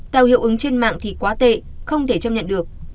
tạo hiệu ứng trên mạng thì quá tệ không thể chấp nhận được